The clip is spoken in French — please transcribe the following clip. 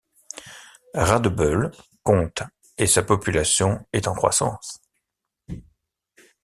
Radebeul compte et sa population est en croissance.